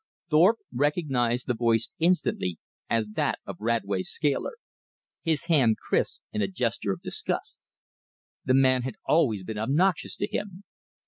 Thorpe recognized the voice instantly as that of Radway's scaler. His hand crisped in a gesture of disgust. The man had always been obnoxious to him.